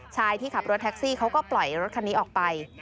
ที่ขับรถแท็กซี่เขาก็ปล่อยรถคันนี้ออกไป